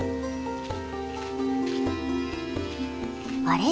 あれ？